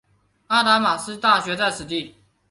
阿达玛斯大学在此地。